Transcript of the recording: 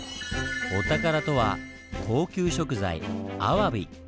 お宝とは高級食材アワビ！